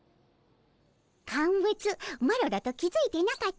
カンブツマロだと気付いてなかったの。